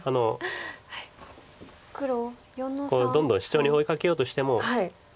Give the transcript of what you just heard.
まあこれはどんどんシチョウに追いかけようとしても。